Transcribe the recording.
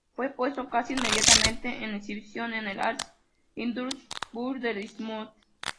Fue puesto casi inmediatamente en exhibición en el Arts and Industries Building del Smithsonian.